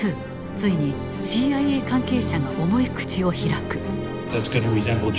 ついにＣＩＡ関係者が重い口を開く。